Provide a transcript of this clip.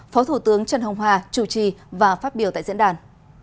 phó thủ tướng trần hồng hòa chủ trì và phát biểu tại diễn đàn